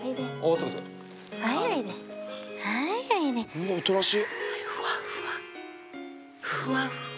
うわおとなしい。